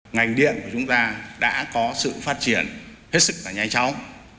ngành điện của chúng ta đã có sự phát triển hết sức là nhanh chóng